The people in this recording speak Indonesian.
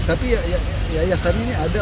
tapi yayasan ini ada